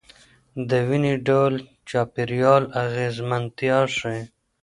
دویني ډول چاپیریال اغېزمنتیا ښيي.